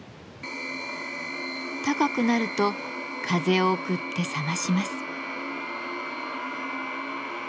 高くなると風を送って冷まします。